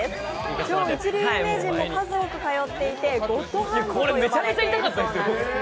超一流有名人も数多く通っていてゴットハンドと呼ばれているそうなんですね。